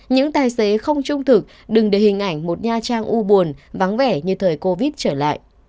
những tài xế không trung thực đừng để hình ảnh một nha trang u buồn vắng vẻ như thời covid trở lại